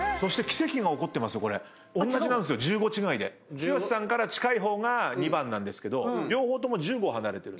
剛さんから近い方が２番なんですけど両方とも１５離れてる。